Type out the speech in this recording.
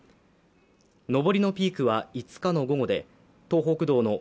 上りのピークは５日の午後で東北道の